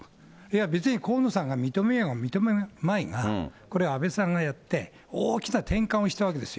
別に河野さんが認めようが認めまいが、これは安倍さんがやって、大きな転換をしたわけですよ。